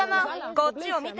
こっちを見て！